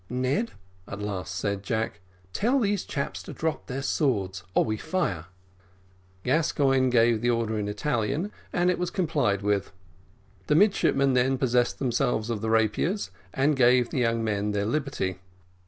"Ned," at last said Jack, "tell these chaps to drop their swords, or we fire." Gascoigne gave the order in Italian, and it was complied with. The midshipmen then possessed themselves of the rapiers, and gave the young men their liberty.